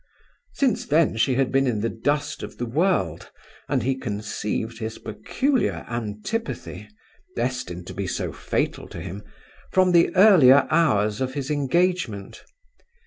Since then she had been in the dust of the world, and he conceived his peculiar antipathy, destined to be so fatal to him, from the earlier hours of his engagement.